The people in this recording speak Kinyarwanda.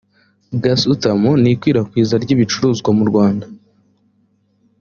gasutamo n ikwirakwiza ry ibicuruzwa mu rwanda